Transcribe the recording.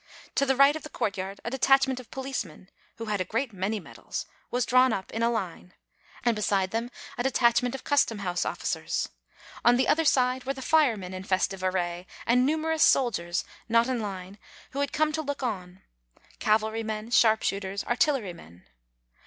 To the right of the courtyard a detachment of policemen, who had a great many medals, was drawn up in line ; and beside them a detach ment of custom house officers; on the other side were the firemen in festive array ; and numerous soldiers not in line, who had come to look on, cavalry men, sharp shooters, artillery men.